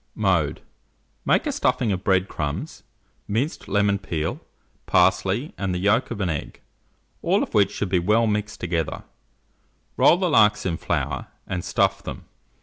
Mode. Make a stuffing of bread crumbs, minced lemon peel, parsley, and the yolk of an egg, all of which should be well mixed together; roll the larks in flour, and stuff them.